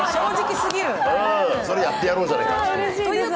それ、やってやろうじゃないか。